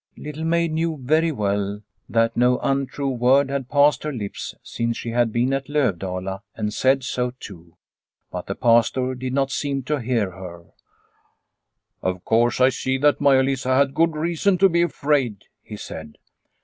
Little Maid knew very well that no untrue word had passed her lips since she had been at Lovdala, and said so too. But the Pastor did not seem to hear. " Of course, I see that Maia Lisa had good reason to be afraid," he said.